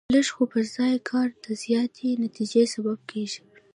لږ خو پر ځای کار د زیاتې نتیجې سبب کېږي.